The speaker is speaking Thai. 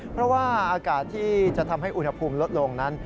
เพราะว่าอากาศที่จะทำให้อุณหภูมิลดลงนั้น